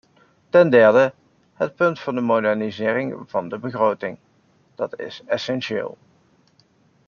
Ten derde, het punt van de modernisering van de begroting, dat is essentieel.